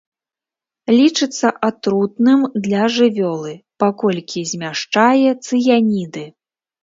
Лічыцца атрутным для жывёлы, паколькі змяшчае цыяніды.